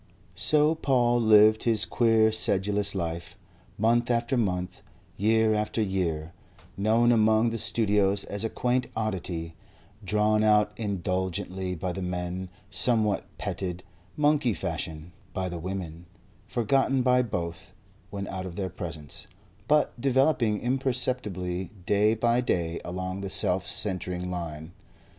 So Paul lived his queer sedulous life, month after month, year after year, known among the studios as a quaint oddity, drawn out indulgently by the men, somewhat petted, monkey fashion, by the women, forgotten by both when out of their presence, but developing imperceptibly day by day along the self centring line.